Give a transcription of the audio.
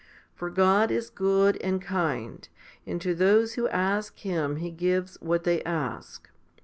For God is good and kind, and to those who ask Him He gives what they ask.